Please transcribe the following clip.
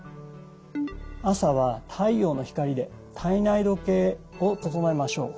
朝は太陽の光で体内時計を整えましょう。